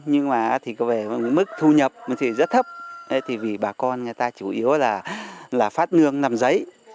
nhưng mức thu nhập rất thấp vì bà con chủ yếu là phát ngương nằm giấy